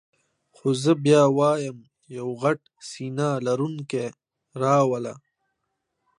خو زه بیا وایم یو غټ سینه لرونکی را وله.